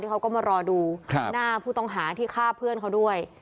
เขาก็มารอดูหน้าผู้ต้องหาที่ฆ่าเพื่อนเขาด้วย